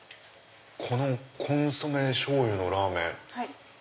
このコンソメしょうゆラーメン